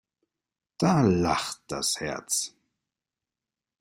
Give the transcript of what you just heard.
Da lacht das Herz.